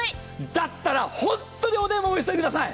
だったら本当にもうお電話お急ぎください。